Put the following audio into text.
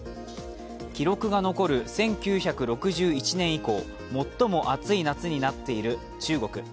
記録が残る１９６１年以降最も暑い夏になっている中国。